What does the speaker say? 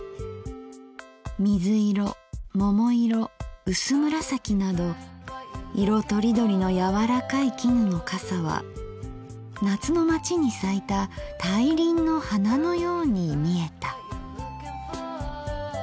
水色桃色うす紫など色とりどりの柔らかい絹の傘は夏の街に咲いた大輪の花のように見えた」。